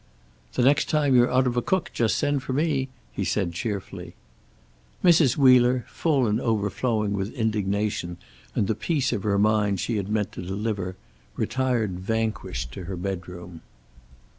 "The next time you're out of a cook just send for me," he said cheerfully. Mrs. Wheeler, full and overflowing with indignation and the piece of her mind she had meant to deliver, retired vanquished to her bedroom.